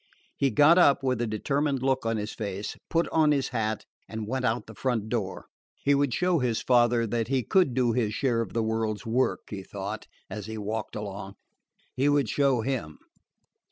He got up with a determined look on his face, put on his hat, and went out the front door. He would show his father that he could do his share of the world's work, he thought as he walked along he would show him.